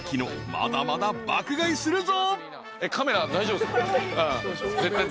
まだまだ爆買いするぞ］